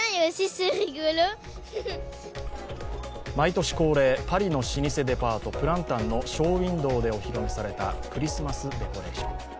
毎年恒例、パリの老舗デパートプランタンのショーウインドーでお披露目されたクリスマスデコレーション。